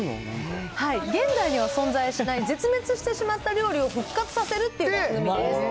現代には存在しない絶滅してしまった料理を復活させるという試みです。